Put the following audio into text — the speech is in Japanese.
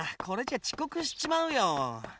これじゃあちこくしちまうよ。